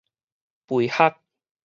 肥礐